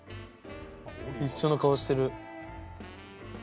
一緒の顔してる。